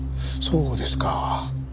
そうですか。